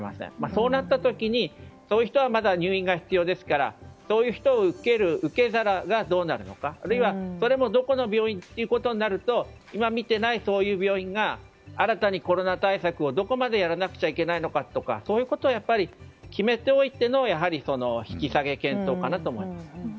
そうなった時に、そういう人はまだ入院が必要ですからそういう人を受ける受け皿がどうなるのかあるいは、それもどこの病院ということになると今、診ていない、そういう病院が新たにコロナ対策をどこまでやらなくちゃいけないのかとかやっぱり決めておいての引き下げ検討かなと思います。